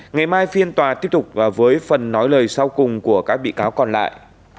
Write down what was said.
ngày mai phiên tòa tiếp tục với phần nói lời sau cùng của các bị cáo còn lại